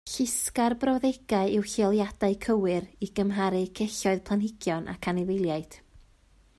Llusga'r brawddegau i'w lleoliadau cywir i gymharu celloedd planhigion ac anifeiliaid